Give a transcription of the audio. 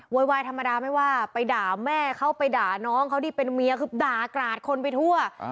วายธรรมดาไม่ว่าไปด่าแม่เขาไปด่าน้องเขาที่เป็นเมียคือด่ากราดคนไปทั่ว